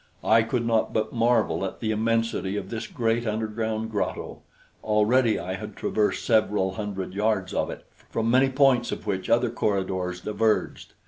I could not but marvel at the immensity of this great underground grotto. Already I had traversed several hundred yards of it, from many points of which other corridors diverged.